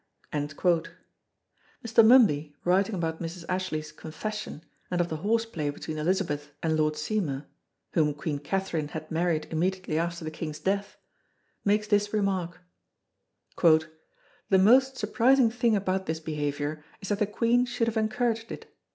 Mr. Mumby writing about Mrs. Ashley's "Confession" and of the horse play between Elizabeth and Lord Seymour (whom Queen Catherine had married immediately after the King's death) makes this remark: "The most surprising thing about this behaviour is that the Queen should have encouraged it."